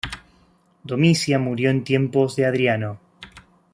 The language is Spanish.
Domicia murió en tiempos de Adriano.